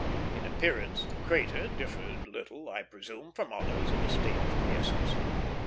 In appearance the crater differed little, I presume, from others in a state of quiescence.